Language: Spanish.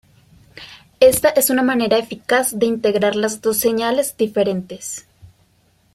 Esta es una manera eficaz de integrar las dos señales diferentes.